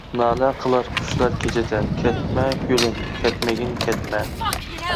نالە قىلار قۇشلار كېچىدە، كەتمە گۈلۈم، كەتمىگىن كەتمە.